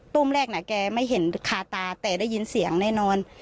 ต้มแรกนะแกยไม่เห็นค่าตาแต่ได้ยินเสียงเลย